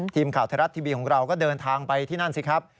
ทีมข่าวไทยรัฐทีวีของเราก็เดินทางไปที่นั่นสิครับ